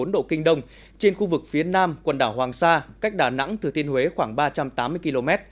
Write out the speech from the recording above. một trăm một mươi một bốn độ kinh đông trên khu vực phía nam quần đảo hoàng sa cách đà nẵng từ thiên huế khoảng ba trăm tám mươi km